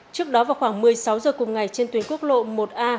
trước đó vào khoảng một mươi sáu h cùng ngày trên tuyến quốc lộ một a